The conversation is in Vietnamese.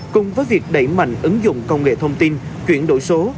cùng với việc đẩy mạnh ứng dụng công nghệ thông tin chuyển đổi số